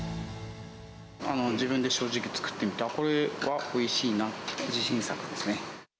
自分で正直作ってみて、これはおいしいな、自信作ですね。